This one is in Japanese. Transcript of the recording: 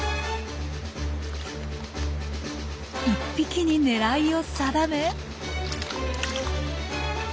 １匹に狙いを定め。